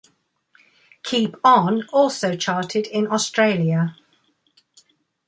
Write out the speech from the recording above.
"Keep On" also charted in Australia.